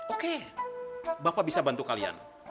oke bapak bisa bantu kalian